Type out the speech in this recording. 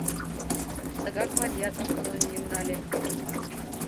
Тыгак Марият автономийым нале.